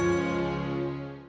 kebuka lalu tamat nih